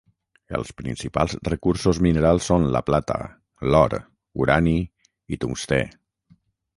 Els principals recursos minerals són la plata, l'or, urani i tungstè.